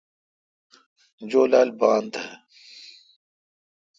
جولال بان تھا۔